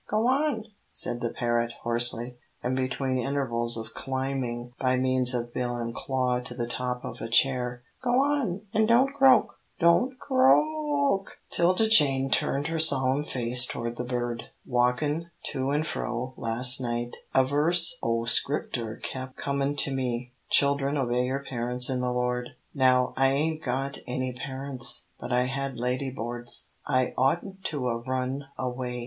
"Go on," said the parrot, hoarsely, and between intervals of climbing by means of bill and claw to the top of a chair, "go on, and don't croak. Don't cr r r r oak!" [Illustration: "'I'VE LED ANOTHER DOG ASTRAY, AN' NOW HE'S DEAD!'"] 'Tilda Jane turned her solemn face toward the bird. "Walkin' to an' fro las' night, a verse o' Scripter kep' comin' to me, 'Children, obey your parents in the Lord ' Now, I ain't got any parents, but I had lady boards. I oughtn't to 'a' run away.